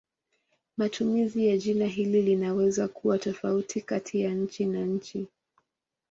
Matumizi ya jina hili linaweza kuwa tofauti kati ya nchi na nchi.